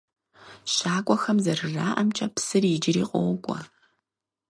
ЩакӀуэхэм зэрыжаӀэмкӀэ, псыр иджыри къокӀуэ.